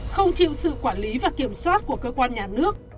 không chịu sự quản lý và kiểm soát của cơ quan nhà nước